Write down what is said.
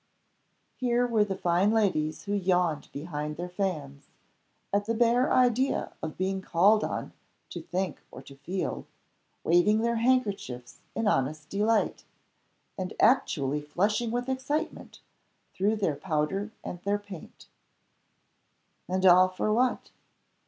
Here were the fine ladies who yawned behind their fans, at the bare idea of being called on to think or to feel, waving their handkerchiefs in honest delight, and actually flushing with excitement through their powder and their paint. And all for what?